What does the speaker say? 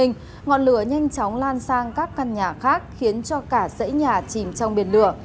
ngọn lửa nhanh chóng lan sang các căn nhà khác khiến cho cả dãy nhà chìm trong biển lửa